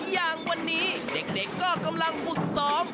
อย่างวันนี้เด็กก็กำลังฝึกซ้อม